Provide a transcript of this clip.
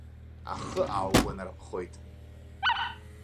Ахы ааугәанарԥхоит.